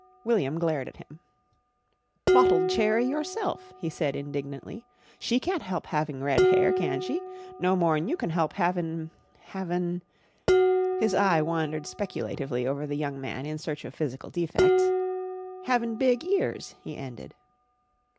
William glared at him. "Bottled cherry yourself!" he said indignantly. "She can't help having red hair, can she? No more'n you can help havin' havin' " his eye wandered speculatively over the young man in search of physical defects "having big ears," he ended.